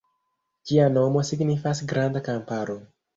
Ĝia nomo signifas "Granda Kamparo".